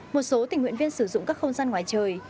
một số tình nguyện viên sử dụng các không gian ngoài trời